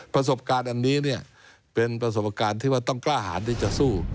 ประสบการณ์อันนี้เนี่ยเป็นประสบการณ์ที่ว่าต้องกล้าหารที่จะสู้